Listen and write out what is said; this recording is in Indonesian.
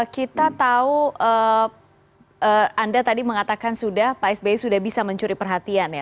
kita tahu anda tadi mengatakan sudah pak sby sudah bisa mencuri perhatian ya